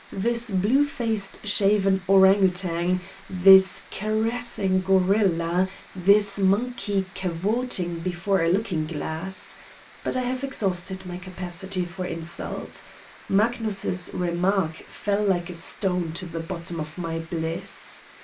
This blue faced, shaven orang outang, this caressing guerilla, this monkey cavorting before a looking glass ! But I have exhausted my capacity for in sult. Magnus' remark fell like a stone to the bottom of my bliss.